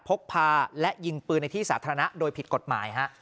พกพาและยิงปืนในที่สาธารณะโดยผิดกฎหมายฮะ